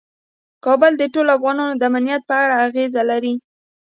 کابل د ټول افغانستان د امنیت په اړه اغېز لري.